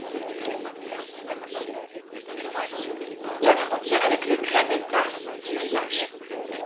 La frontière avec l'Ukraine est à du village.